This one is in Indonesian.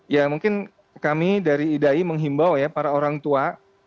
ya mungkin kami dari idai menghimbau ya para orang tua